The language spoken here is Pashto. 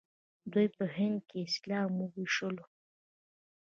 دوی په هند کې اسلام وويشلو.